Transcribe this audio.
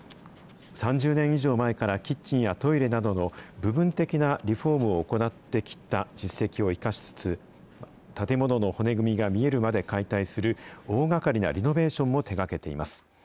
３０年以上前からキッチンやトイレなどの部分的なリフォームを行ってきた実績を生かしつつ、建物の骨組みが見えるまで解体する大がかりなリノベーションも手がけています。